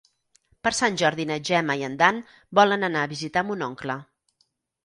Per Sant Jordi na Gemma i en Dan volen anar a visitar mon oncle.